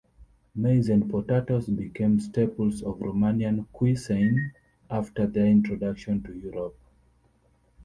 Maize and potatoes became staples of Romanian cuisine after their introduction to Europe.